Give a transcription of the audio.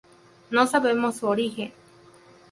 No sabemos su origen.